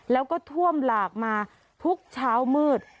แล้วก็ท่วมหลากมาทุกเช้ามืด